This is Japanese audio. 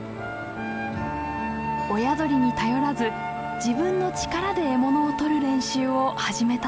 親鳥に頼らず自分の力で獲物を捕る練習を始めたのです。